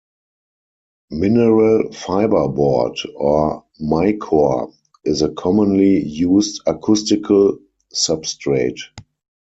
Mineral fiber board, or Micore, is a commonly used acoustical substrate.